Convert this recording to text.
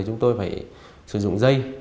chúng tôi phải sử dụng dây